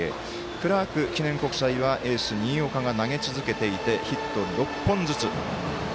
クラーク記念国際はエース、新岡が投げ続けていてヒット、６本ずつ。